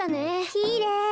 きれい。